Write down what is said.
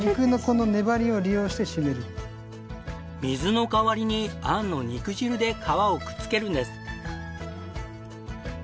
水の代わりに餡の肉汁で皮をくっつけるんです。